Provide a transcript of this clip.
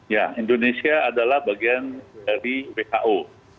ya indonesia adalah bagian dari who